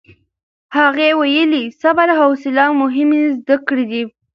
هغې ویلي، صبر او حوصله مهمې زده کړې دي.